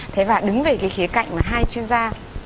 thế và đứng về cái khía cạnh mà hai chuyên gia